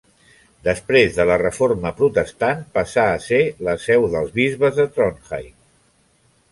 Després de la Reforma protestant, passà a ser la seu dels bisbes de Trondheim.